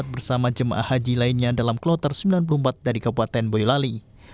bersama jemaah haji lainnya dalam kloter sembilan puluh empat dari kabupaten boyolali